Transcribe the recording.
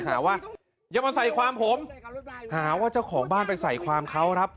หาว่าอย่ามาใส่ความผมหาว่าเจ้าของบ้านไปใส่ความเขาครับ